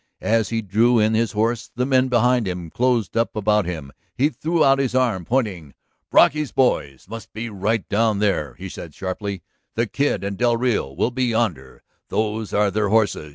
As he drew in his horse the men behind him closed up about him. He threw out his arm, pointing. "Brocky's boys must be right down there," he said sharply. "The Kid and del Rio will be yonder; those are their horses.